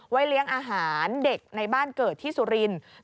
เลี้ยงอาหารเด็กในบ้านเกิดที่สุรินทร์